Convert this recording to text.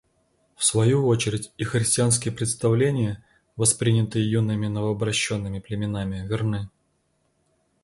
В свою очередь и христианские представления, воспринятые юными новообращенными племенами, верны.